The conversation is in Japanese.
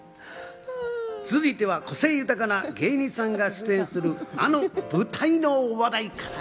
続いては個性豊かな芸人さんが出演するあの舞台の話題から。